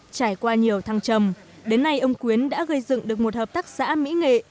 trải qua nhiều thăng trầm đến nay ông quyến đã gây dựng được một hợp tác xã mỹ nghệ